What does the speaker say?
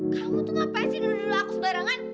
kamu tuh ngapain sih nuduh nuduh aku sembarangan